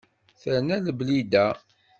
Terna Leblida.